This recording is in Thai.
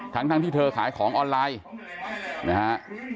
ทั้งที่เธอขายของออนไลน์นะฮะ